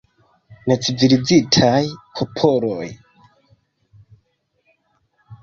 Necivilizitaj popoloj.